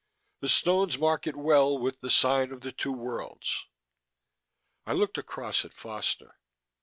The stones mark it well with the sign of the Two Worlds._ I looked across at Foster.